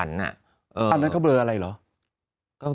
อันนั้นเขาเบอร์อะไรเหรอ